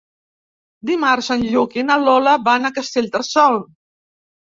Dimarts en Lluc i na Lola van a Castellterçol.